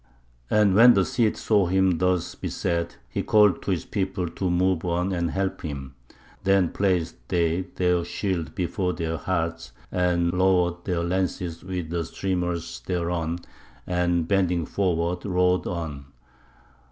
And when the Cid saw him thus beset, he called to his people to move on and help him. Then placed they their shields before their hearts, and lowered their lances with the streamers thereon, and, bending forward, rode on.